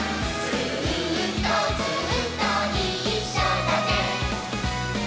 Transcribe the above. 「ずーっとずっといっしょだね！」